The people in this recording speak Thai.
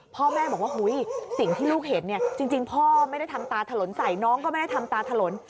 พ่อแม่บอกว่าสิ่งที่ลูกเห็นเนี่ยจริงพ่อไม่ได้ทำตาถลนใส่น้องก็ไม่ได้ทำตาถลน